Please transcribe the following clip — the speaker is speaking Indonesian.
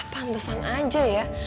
pantesan aja ya